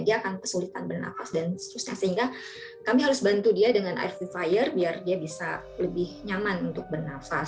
dia akan kesulitan bernafas dan sehingga kami harus bantu dia dengan air putfire biar dia bisa lebih nyaman untuk bernafas